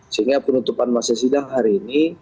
sehingga penutupan masa sidang hari ini